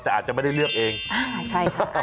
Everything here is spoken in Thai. แต่อาจจะไม่ได้เลือกเองอ่าใช่ค่ะ